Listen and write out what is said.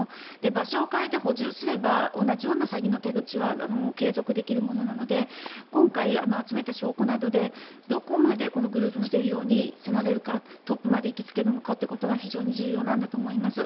場所を変えて補充すれば同じような詐欺の手口は継続できるものなので今回集めた証拠などでどこまでこのグループの全容に迫れるかトップまで行きつけるのかが非常に重要なんだと思います。